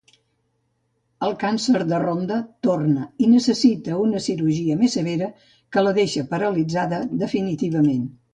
El càncer de Rhonda torna i necessita una cirurgia més severa, que la deixa paralitzada definitivament.